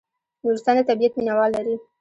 نورستان د طبیعت مینه وال لري